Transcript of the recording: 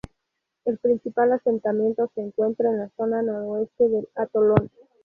El principal asentamiento se encuentra en la zona noroeste del atolón.